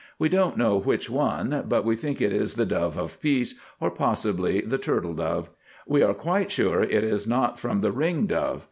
We don't know which one, but we think it is the Dove of Peace or possibly the Turtle Dove; we are quite sure it is not from the Ring Dove.